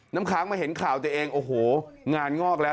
น้ำค้างมาเห็นข่าวตัวเองโอ้โหงานงอกแล้ว